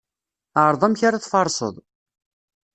Ԑreḍ amek ara tfarseḍ.